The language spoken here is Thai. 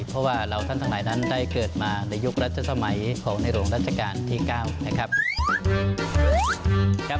เพราะว่าเราท่านทั้งหลายนั้นได้เกิดมาในยุครัชสมัยของในหลวงราชการที่๙นะครับ